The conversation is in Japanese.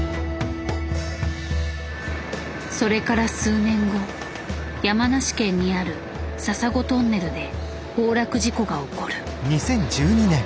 それから数年後山梨県にある笹子トンネルで崩落事故が起こる。